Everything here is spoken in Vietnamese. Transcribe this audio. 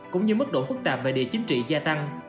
cũng như mức độ phức tạp về địa chính trị gia tăng